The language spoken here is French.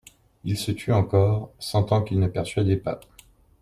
Il se tut encore, sentant qu'il ne persuadait pas.